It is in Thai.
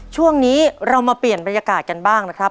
ช่วงนี้เรามาเปลี่ยนบรรยากาศกันบ้างนะครับ